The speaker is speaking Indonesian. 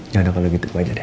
jangan kalau gitu aja deh